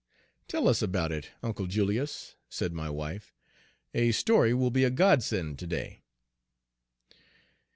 "Tell us about it, Uncle Julius," said my wife. "A story will be a godsend to day."